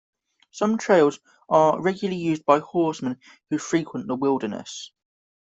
Some trails are regularly used by horsemen who frequent the wilderness.